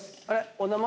お名前